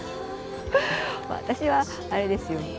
私はあれですよ。